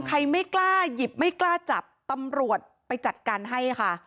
ไม่กล้าหยิบไม่กล้าจับตำรวจไปจัดการให้ค่ะ